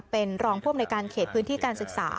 เป็นรองผู้อำนวยการเขตพื้นที่การศึกษา